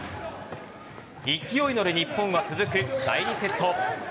勢いに乗る日本は続く第２セット。